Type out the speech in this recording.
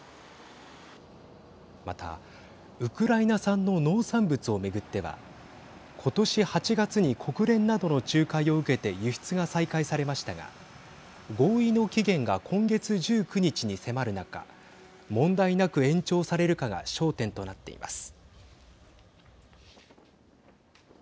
また、ウクライナ産の農産物を巡っては今年８月に国連などの仲介を受けて輸出が再開されましたが合意の期限が今月１９日に迫る中問題なく延長されるかが焦点となっています。